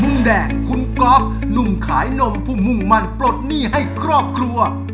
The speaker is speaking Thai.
แดงคุณก๊อฟหนุ่มขายนมผู้มุ่งมั่นปลดหนี้ให้ครอบครัว